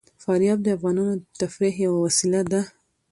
فاریاب د افغانانو د تفریح یوه وسیله ده.